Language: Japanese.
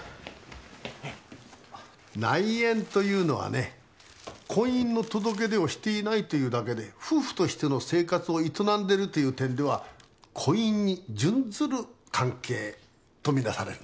内縁というのはね婚姻の届け出をしていないというだけで夫婦としての生活を営んでるという点では婚姻に準ずる関係と見なされるんだな。